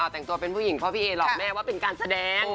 แต่งตัวเป็นผู้หญิงเพราะพี่เอหลอกแม่ว่าเป็นการแสดง